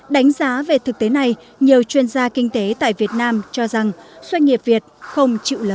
đánh giá về thực tế này nhiều chuyên gia kinh tế tại việt nam cho rằng doanh nghiệp việt không chịu lớn